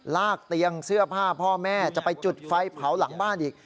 ลากเตียงเสื้อผ้าพ่อแม่จะไปจุดไฟเผาหลังบ้านอีก